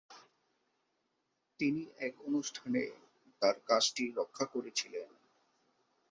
তিনি এক অনুষ্ঠানে তার কাজটি রক্ষা করেছিলেন।